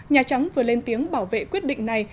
nhà trắng vừa lên tiếng bảo vệ quyết định này